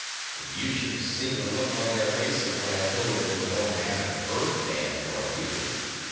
But you should have seen the looks on their faces when I told them they were going to have an Earthman for a pupil."